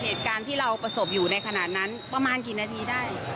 เหตุการณ์ที่เราประสบอยู่ในขณะนั้นประมาณกี่นาทีได้